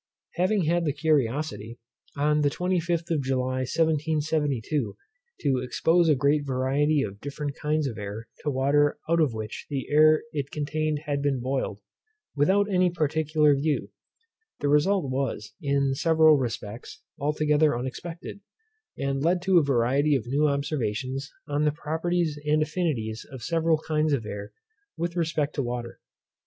Having had the curiosity, on the 25th of July 1772, to expose a great variety of different kinds of air to water out of which the air it contained had been boiled, without any particular view; the result was, in several respects, altogether unexpected, and led to a variety of new observations on the properties and affinities of several kinds of air with respect to water.